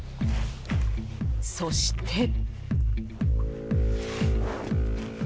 そして。